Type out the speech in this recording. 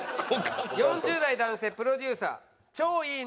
４０代男性プロデューサー「超いいね」。